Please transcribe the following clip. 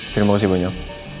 terima kasih bu nyok